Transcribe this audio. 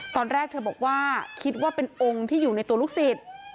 ตอนแรกเธอบอกว่าคิดว่าเป็นองค์ที่อยู่ในตัวลูกศิษย์